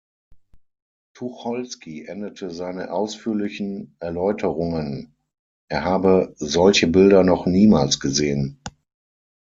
Tucholsky endete seine ausführlichen Erläuterungen, er habe „solche Bilder noch niemals gesehn“.